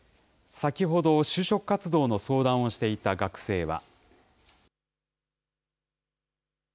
先ほど、就職活動の相談をしていた学生は。